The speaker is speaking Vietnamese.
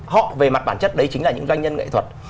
họ về mặt bản chất đấy chính là những doanh nhân nghệ thuật